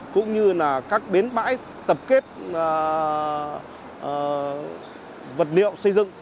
cũng như là các bến bãi tập kết vật liệu xây dựng